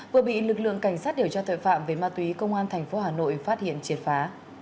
vừa bị lực lượng cảnh sát điều tra tội phạm về ma túy công an thành phố hà nội phát hiện triệt phá